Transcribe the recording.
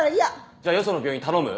じゃあよその病院に頼む？